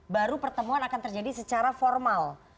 baru pertemuan akan terjadi secara formal